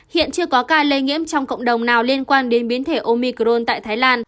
hiện chưa có ca lây nhiễm trong cộng đồng nào liên quan đến biến thể omicron tại thái lan